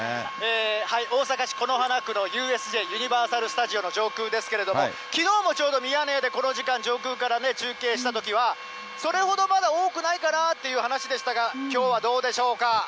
大阪市此花区ＵＳＪ・ユニバーサル・スタジオ・ジャパンの上空ですけれども、きのうもちょうどミヤネ屋で、この時間、中継したときは、それほどまだ多くないかなって話でしたが、きょうはどうでしょうか。